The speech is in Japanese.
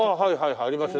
ありますね。